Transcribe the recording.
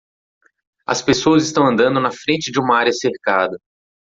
As pessoas estão andando na frente de uma área cercada.